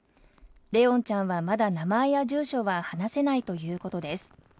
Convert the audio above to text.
怜音ちゃんはまだ名前や住所は話せないということです。